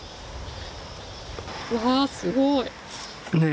うわすごい！ねえ。